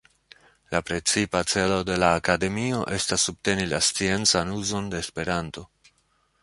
La precipa celo de la akademio estas subteni la sciencan uzon de Esperanto.